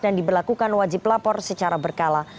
dan diberlakukan wajib lapor secara berkala